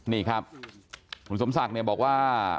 นี่ครับคุณสมศักดิ์เนี่ยบอกว่า